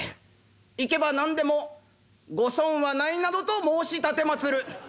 行けば何でもご損はないなどと申し奉る」。